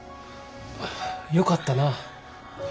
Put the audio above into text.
よかったなぁ。